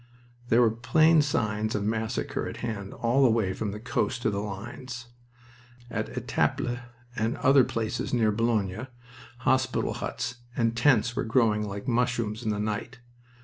There were plain signs of massacre at hand all the way from the coast to the lines. At Etaples and other places near Boulogne hospital huts and tents were growing like mushrooms in the night.